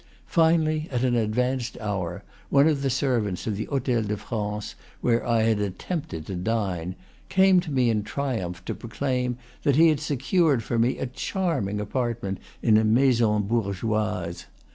Finally, at an advanced hour, one of the servants of the Hotel de France, where I had attempted to dine, came to me in triumph to proclaim that he had secured for me a charming apartment in a maison bourgeoise.